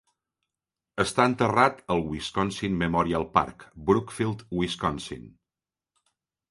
Està enterrat al Wisconsin Memorial Park, Brookfield, Wisconsin.